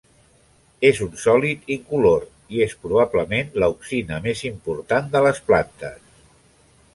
És un sòlid incolor i és probablement l'auxina més important de les plantes.